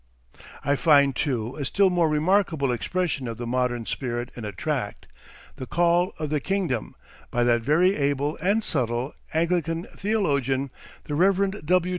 I find, too, a still more remarkable expression of the modern spirit in a tract, "The Call of the Kingdom," by that very able and subtle, Anglican theologian, the Rev. W.